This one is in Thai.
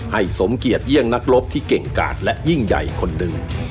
สมเกียจเยี่ยงนักรบที่เก่งกาดและยิ่งใหญ่คนหนึ่ง